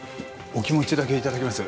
お気持ちだけ頂きます。